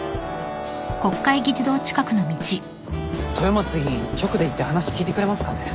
豊松議員直で行って話聞いてくれますかね？